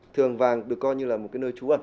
thường vàng được coi như là một cái nơi trú ẩn